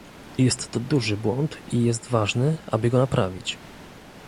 Jest to duży błąd i jest ważne, aby go naprawić